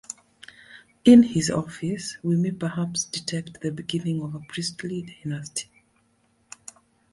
In his office we may perhaps detect the beginning of a priestly dynasty.